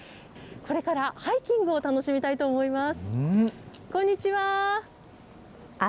これからハイキングを楽しみたいと思います。